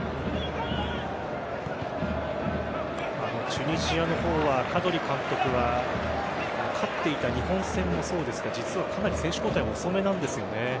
チュニジアの方はカドリ監督は勝っていた日本戦もそうですが実はかなり選手交代遅めなんですよね。